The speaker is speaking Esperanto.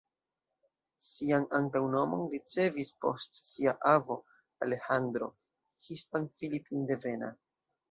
Sian antaŭnomon ricevis post sia avo, Alejandro, hispan-filipindevena.